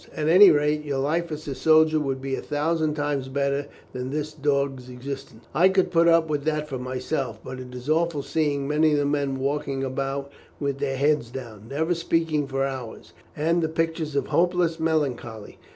At any rate, your life as a soldier would be a thousand times better than this dog's existence." "I could put up with that for myself, but it is awful seeing many of the men walking about with their heads down, never speaking for hours, and the pictures of hopeless melancholy.